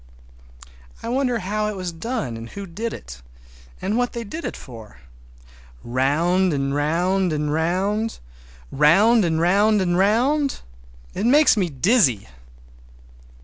I wonder how it was done and who did it, and what they did it for. Round and round and round—round and round and round—it makes me dizzy!